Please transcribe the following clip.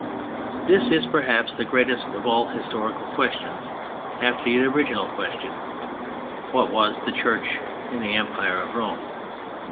This is perhaps the greatest of all historical questions, after the original question: "What was the Church in the Empire of Rome?"